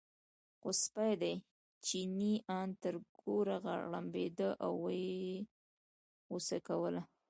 خو سپی دی، چیني ان تر کوره غړمبېده او یې غوسه کوله.